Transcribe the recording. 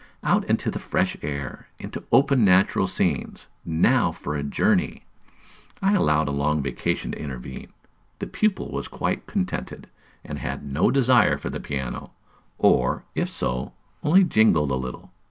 Out into the fresh air! into open natural scenes! Now for a journey! I allowed a long vacation to intervene; the pupil was quite contented, and had no desire for the piano, or, if so, only jingled a little.